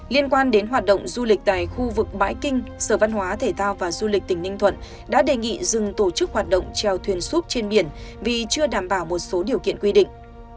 liên quan đến hoạt động du lịch tại khu vực bãi kinh sở văn hóa thể thao và du lịch tỉnh ninh thuận đã đề nghị dừng tổ chức hoạt động treo thuyền súp trên biển vì chưa đảm bảo một số điều kiện quy định